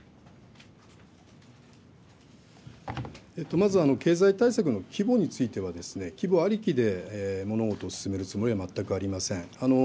まず経済対策の規模については、規模ありきで物事を進めるつもりは全くありません。